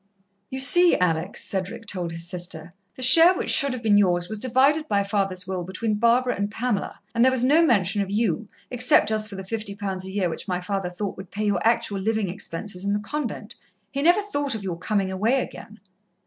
"You see, Alex," Cedric told his sister, "the share which should have been yours was divided by father's will between Barbara and Pamela, and there was no mention of you, except just for the fifty pounds a year which my father thought would pay your actual living expenses in the convent. He never thought of your coming away again."